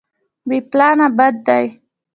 بې پلانه بد دی.